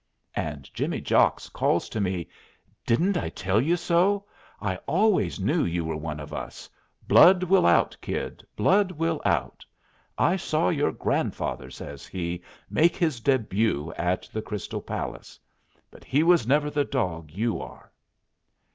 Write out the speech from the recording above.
And Jimmy Jocks calls to me, "Didn't I tell you so? I always knew you were one of us. Blood will out, Kid; blood will out. I saw your grandfather," says he, "make his début at the Crystal Palace. But he was never the dog you are!"